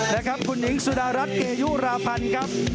นะครับคุณหญิงสุดารัฐเกยุราพันธ์ครับ